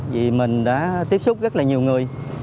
vì mình đã tiếp xúc rất là nhiều người